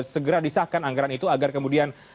segera disahkan anggaran itu agar kemudian